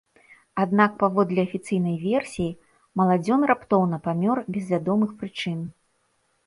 Аднак паводле афіцыйнай версіі, маладзён раптоўна памёр без вядомых прычын.